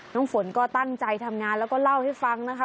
น้องฝนก็ตั้งใจทำงานแล้วก็เล่าให้ฟังนะคะ